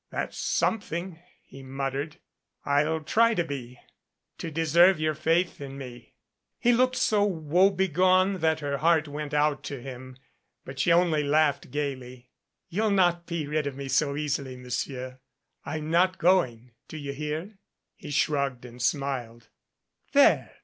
"That's something," he muttered. "I'll try to be to deserve your faith in me." He looked so woebegone that her heart went out to him, but she only laughed gaily. "You'll not be rid of me so easily, Monsieur. I'm not going, do you hear?" He shrugged and smiled. "There